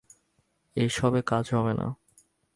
এসবে কাজ হবে না।